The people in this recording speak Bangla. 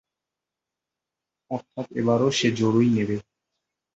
অর্থাৎ এবারও সে জোড়ই নেবে।